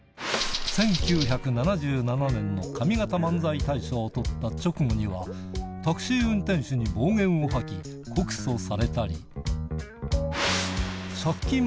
１９７７年の上方漫才大賞を取った直後には、タクシー運転手に暴言を吐き、告訴されたり。